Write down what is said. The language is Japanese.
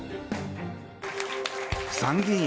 参議院